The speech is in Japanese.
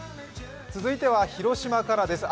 続いては広島からです。